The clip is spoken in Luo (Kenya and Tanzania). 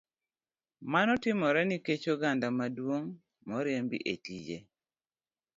Mano timore nikech oganda maduong' moriembi e tije.